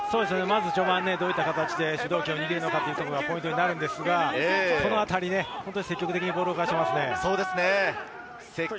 序盤、どういった形で主導権を握るのかポイントになるのですが、このあたり積極的にボールを動かしていますね。